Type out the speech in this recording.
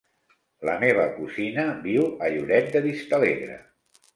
La meva cosina viu a Lloret de Vistalegre.